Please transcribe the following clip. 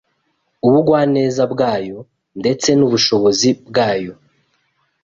ubugwaneza bwayo ndetse n’ubushobozi bwayo.